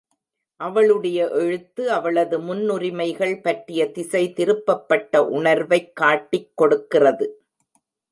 அவளுடைய எழுத்து அவளது முன்னுரிமைகள் பற்றிய திசைதிருப்பப்பட்ட உணர்வைக் காட்டிக் கொடுக்கிறது.